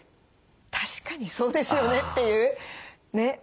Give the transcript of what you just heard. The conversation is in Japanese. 確かにそうですよねっていうね。